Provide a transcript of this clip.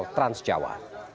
jalur tol trans jawa